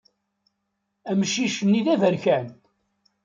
Amcic-nni d aberkan.